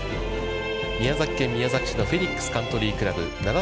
宮崎県宮崎市のフェニックスカントリークラブ。